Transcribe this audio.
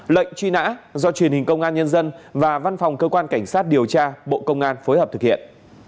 lệnh truy nã do truyền hình công an nhân dân và văn phòng cơ quan cảnh sát điều tra bộ công an phối hợp thực hiện